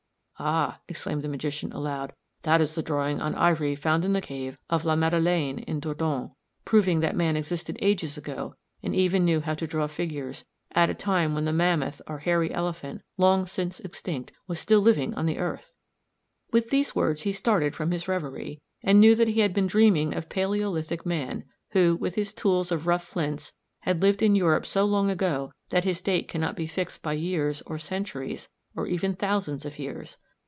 "Ah," exclaimed the magician aloud, "_that is the drawing on ivory found in the cave of La Madeleine in Dordogne, proving that man existed ages ago, and even knew how to draw figures, at a time when the mammoth, or hairy elephant, long since extinct, was still living on the earth!_" With these words he started from his reverie, and knew that he had been dreaming of Palæolithic man who, with his tools of rough flints, had lived in Europe so long ago that his date cannot be fixed by years, or centuries, or even thousands of years.